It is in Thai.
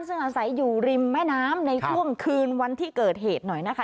ซึ่งอาศัยอยู่ริมแม่น้ำในช่วงคืนวันที่เกิดเหตุหน่อยนะคะ